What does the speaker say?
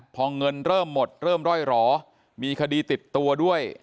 พอเงินเริ่มหมดเริ่มร่อยรอมีคดีติดตัวด้วย